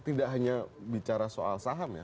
tidak hanya bicara soal saham ya